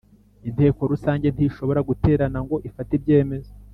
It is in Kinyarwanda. Inteko Rusange ntishobora guterana ngo ifate ibyemezo